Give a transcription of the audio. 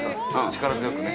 力強くね